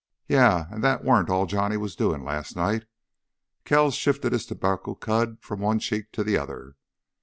"Yeah, an' that warn't all Johnny was doin' last night." Kells shifted his tobacco cud from one cheek to the other.